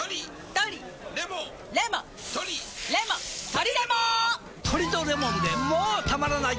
トリとレモンでもたまらない